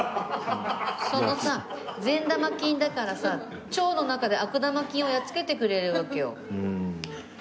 そのさ善玉菌だからさ腸の中で悪玉菌をやっつけてくれるわけよ。